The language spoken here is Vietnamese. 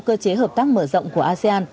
cơ chế hợp tác mở rộng của asean